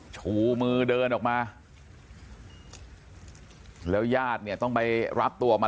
ชูมือเดินออกมาแล้วญาติเนี่ยต้องไปรับตัวมา